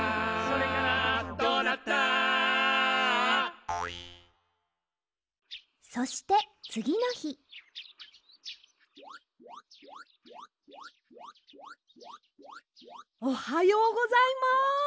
「どうなった？」そしてつぎのひおはようございます！